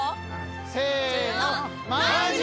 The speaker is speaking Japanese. せの。